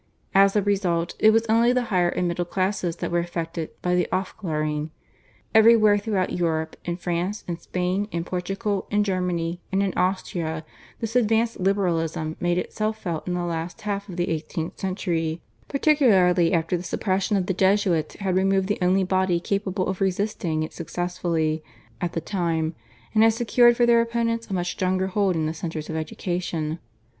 As a rule it was only the higher and middle classes that were affected by the /Aufklarung/. Everywhere throughout Europe, in France, in Spain, in Portugal, in Germany, and in Austria this advanced liberalism made itself felt in the last half of the eighteenth century, particularly after the suppression of the Jesuits had removed the only body capable of resisting it successfully at the time, and had secured for their opponents a much stronger hold in the centres of education.